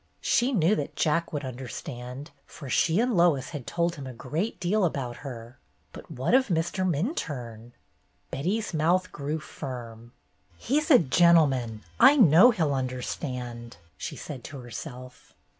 She knew that Jack would understand, for she and Lois had told him a great deal about her. But what of Mr. Min turne ? Betty's mouth grew firm. "He 's a gentleman. I know he 'll under stand," she said to herself.